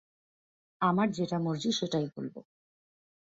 আমার যেটা মর্জি সেটাই বলবো।